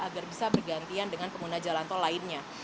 agar bisa bergantian dengan pengguna jalan tol lainnya